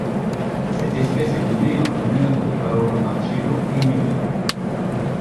Cette espèce est nommée en l'honneur de Paolo Marcello Brignoli.